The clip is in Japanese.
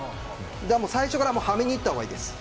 最初からはめに行った方がいいです。